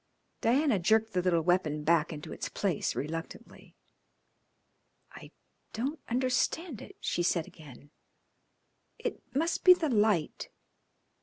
Diana jerked the little weapon back into its place reluctantly. "I don't understand it," she said again. "It must be the light."